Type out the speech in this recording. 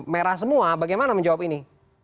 merah semua bagaimana menjawab ini